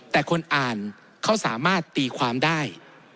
แต่คนอ่านเขาสามารถตีความได้